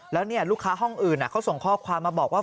แล้วลูกค้าห้องอื่นเขาส่งข้อความมาบอกว่า